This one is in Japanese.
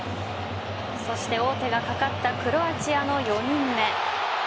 そして王手がかかったクロアチアの４人目。